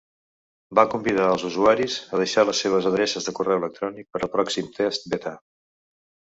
Va convidar els usuaris a deixar les seves adreces de correu electrònic per al pròxim test beta.